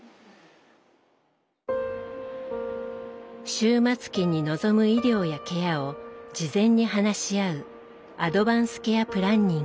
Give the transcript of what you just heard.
終末期に望む医療やケアを事前に話し合うアドバンス・ケア・プランニング。